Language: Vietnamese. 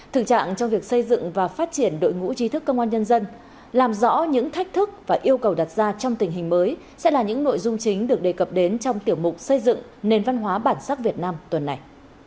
thực trạng trong việc xây dựng và phát triển đội ngũ trí thức công an nhân dân làm rõ những thách thức và yêu cầu đặt ra trong tình hình mới sẽ là những nội dung chính được đề cập đến trong tiểu mục xây dựng nền văn hóa bản sắc việt nam tuần này